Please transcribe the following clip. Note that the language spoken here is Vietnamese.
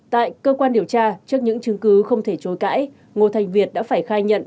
tại cơ quan điều tra trước những chứng cứ không thể chối cãi ngô thành việt đã phải khai nhận